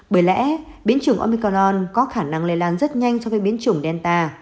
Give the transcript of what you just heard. bởi lẽ biến chủng omicalon có khả năng lây lan rất nhanh so với biến chủng delta